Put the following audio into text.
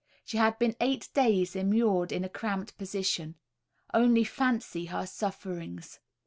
She had been eight days immured in a cramped position. Only fancy her sufferings.